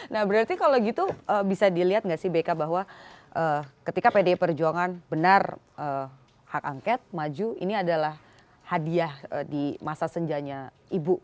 nah berarti kalau gitu bisa dilihat nggak sih beka bahwa ketika pdi perjuangan benar hak angket maju ini adalah hadiah di masa senjanya ibu